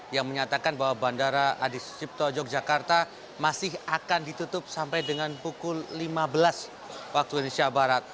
yang menyatakan bahwa bandara adi sucipto yogyakarta masih akan ditutup sampai dengan pukul lima belas waktu indonesia barat